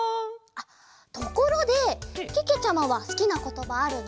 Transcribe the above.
ところでけけちゃまはすきなことばあるの？